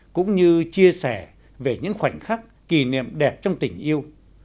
cũng như chia sẻ về những khoảnh khắc kỷ niệm đẹp trong tình yêu